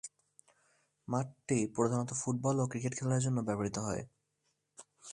মাঠটি প্রধানত ফুটবল ও ক্রিকেট খেলার জন্য ব্যবহৃত হয়।